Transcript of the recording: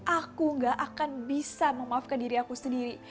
aku gak akan bisa memaafkan diri aku sendiri